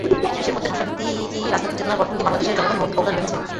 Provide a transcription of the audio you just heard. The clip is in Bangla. বিশ্বের মধ্যে ভাষাভিত্তিকি রাজনৈতিক চেতনার গঠন দিয়ে বাংলাদেশের জনগণ মৌলিক অবদান রেখেছে।